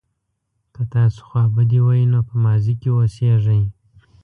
که تاسو خوابدي وئ نو په ماضي کې اوسیږئ.